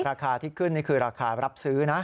ราคาที่ขึ้นนี่คือราคารับซื้อนะ